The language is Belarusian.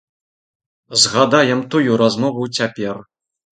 Згадаем тую размову цяпер.